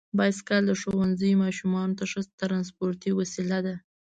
بایسکل د ښوونځي ماشومانو ته ښه ترانسپورتي وسیله ده.